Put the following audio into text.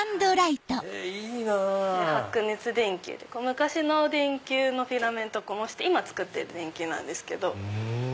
昔の電球のフィラメントを模して今作ってる電球なんですけど。